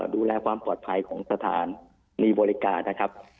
ดูแลความปลอดภัยของสถานีบริการนะครับ